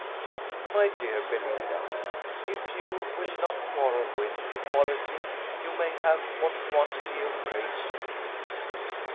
My dear Belinda, if you will not quarrel with the quality, you may have what quantity of praise you please.